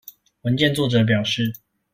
文件作者表示